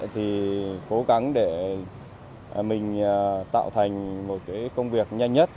thì cố gắng để mình tạo thành một cái công việc nhanh nhất